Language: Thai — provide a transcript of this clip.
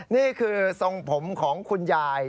นี่คือทรงผมของคุณยาย